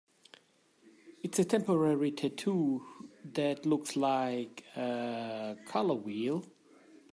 It's a temporary tattoo that looks like... a color wheel?